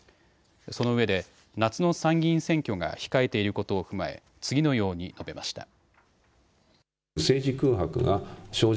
そのうえで夏の参議院選挙が控えていることを踏まえ次のように述べました。